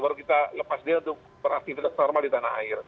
baru kita lepas dia untuk beraktivitas normal di tanah air